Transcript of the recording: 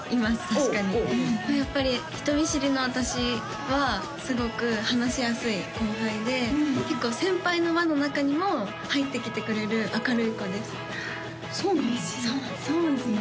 確かにやっぱり人見知りの私はすごく話しやすい後輩で結構先輩の輪の中にも入ってきてくれる明るい子ですそうなのそうですね